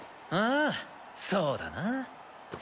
あぁそうだな。